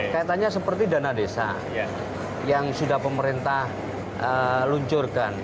kaitannya seperti dana desa yang sudah pemerintah luncurkan